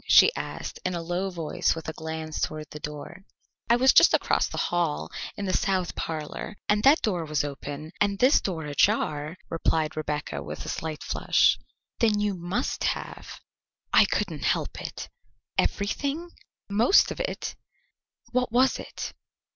she asked in a low voice with a glance toward the door. "I was just across the hall in the south parlour, and that door was open and this door ajar," replied Rebecca with a slight flush. "Then you must have " "I couldn't help it." "Everything?" "Most of it." "What was it?"